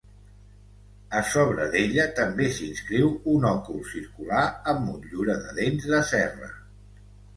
A s'obra d'ella també s'inscriu un òcul circular amb motllura de dents de serra.